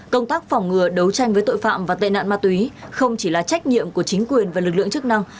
công tác phòng ngừa đấu tranh với tội phạm và tệ nạn ma túy không chỉ là trách nhiệm của chính quyền và lực lượng chức năng